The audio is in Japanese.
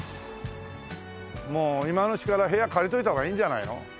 もう今のうちから部屋借りといた方がいいんじゃないの？